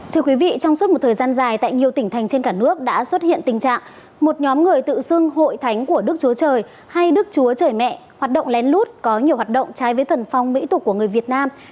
thưa quý vị trong suốt một thời gian dài tại nhiều tỉnh thành trên cả nước đã xuất hiện tình trạng một nhóm người tự xưng hội thánh của đức chúa trời hay nước chúa trời mẹ hoạt động lén lút có nhiều hoạt động trái với thuần phong mỹ tục của người việt nam